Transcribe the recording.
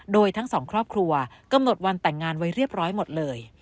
โดยทั้งสองครอบครัวกำหนดวันแต่งงานไว้เรียบร้อยหมดเลย